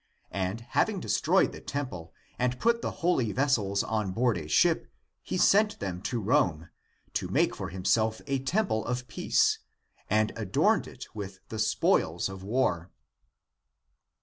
And having destroyed the temple, and put the holy ves sels on board a ship, he sent them to Rome, to make for himself a temple of peace, and adorned it with the spoils of war.